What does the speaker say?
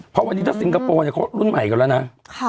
เพราะวันนี้ถ้าซิงคโปร์เนี่ยเขารุ่นใหม่กันแล้วนะ